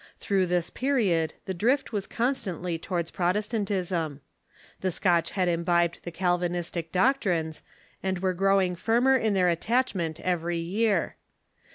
Through this period the drift was constantly towards Protestantism. The Scotch had imbibed the Calvinistic doctrines, and were growing firmer in their at tachment every year.